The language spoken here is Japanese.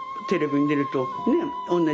テレビに出るとねえ？